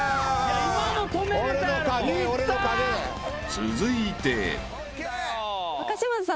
［続いて］え！